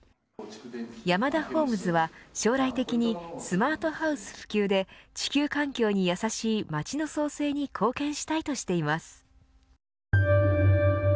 ヤマダホームズは、将来的にスマートハウス普及で地球環境に優しい街の創生に貢献したいとしています。